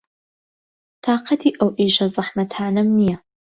تاقەتی ئەو ئیشە زەحمەتانەم نییە.